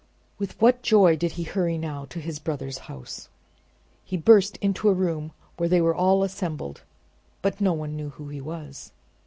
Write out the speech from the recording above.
With what joy did he hurry now to his brothers' house! He burst into a room where they were all assembled, but no one knew who he was.